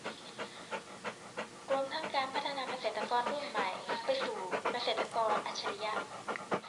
รวมทั้งการพัฒนาเกษตรกรรุ่นใหม่ไปสู่เกษตรกรอัจฉริยะ